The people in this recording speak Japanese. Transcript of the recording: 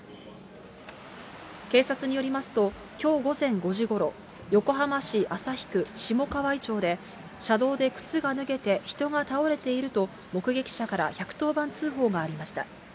警察によりますと、きょう午前５時ごろ、横浜市旭区下川井町で、車道で靴が脱げて人が倒れていると、目撃者から１１０番通報がありました。